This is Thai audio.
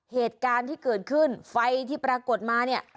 เหตุการณ์ที่เกิดขึ้นไฟที่ปรากฏมาเนี่ย